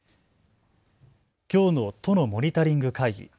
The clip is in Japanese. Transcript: きょうの都のモニタリング会議。